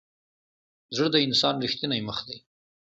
زړه د انسان ریښتینی مخ دی.